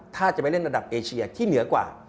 ถ้าจะไปเล่นระดับเอเชียที่เหนือกว่า